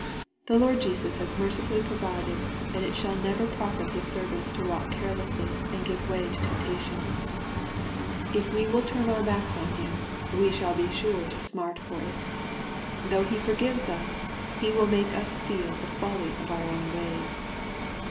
The Lord Jesus has mercifully provided that it shall never profit His servants to walk carelessly and to give way to temptation. If we will tarn our backs on Him /y<j MARE, CHAI. XV. 335 shall be sure to smart for it. Though He forgives us, He will make us feel the folly of our own ways.